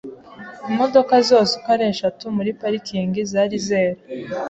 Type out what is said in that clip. Imodoka zose uko ari eshatu muri parikingi zari zera.